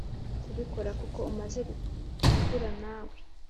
kubikora kuko umaze gukura nawe